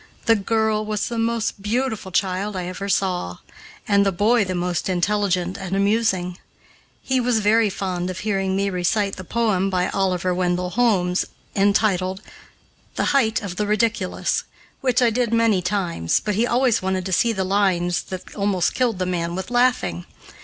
The girl was the most beautiful child I ever saw, and the boy the most intelligent and amusing. He was very fond of hearing me recite the poem by Oliver Wendell Holmes entitled "The Height of the Ridiculous," which I did many times, but he always wanted to see the lines that almost killed the man with laughing.